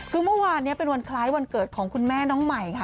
คือเมื่อวานนี้เป็นวันคล้ายวันเกิดของคุณแม่น้องใหม่ค่ะ